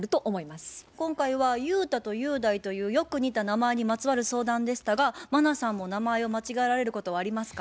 今回は雄太と雄大というよく似た名前にまつわる相談でしたが茉奈さんも名前を間違えられることはありますか？